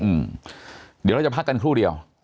อืมเดี๋ยวเราจะพักกันครู่เดียว